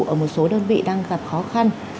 ở một số đơn vị đang gặp khó khăn